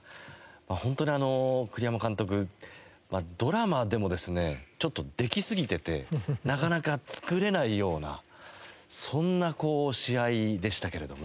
本当に栗山監督ドラマでもですねちょっとできすぎててなかなか作れないようなそんな試合でしたけれども。